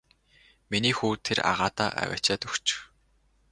Миний хүү тэр агаадаа аваачаад өгчих.